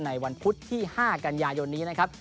ในวันพุธที่๕กันยายนนี้นะครับ